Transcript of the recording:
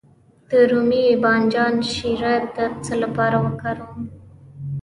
د رومي بانجان شیره د څه لپاره وکاروم؟